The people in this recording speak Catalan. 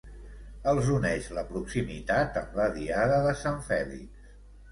els uneix la proximitat amb la diada de Sant Fèlix